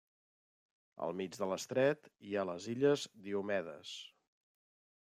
Al mig de l'estret hi ha les Illes Diomedes.